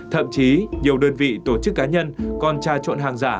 thậm chí nhiều đơn vị tổ chức cá nhân còn tra trộn hàng giả